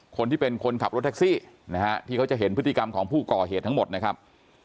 คนที่เป็นคนขับรถแท็กซี่นะฮะที่เขาจะเห็นพฤติกรรมของผู้ก่อเหตุทั้งหมดนะครับ